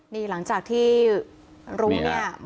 นี่หลังจากที่รุมเนี่ยมอบ